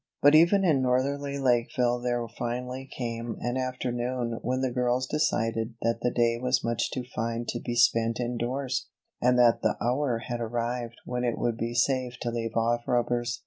But even in northerly Lakeville there finally came an afternoon when the girls decided that the day was much too fine to be spent indoors; and that the hour had arrived when it would be safe to leave off rubbers.